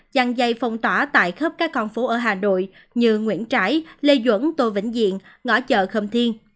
dăng dây phong tỏa tại khắp các con phố ở hà nội như nguyễn trãi lê duẩn tô vĩnh diện ngõ chợ khâm thiên